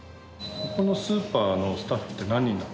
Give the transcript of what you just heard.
このスーパーのスタッフって何人なんですか？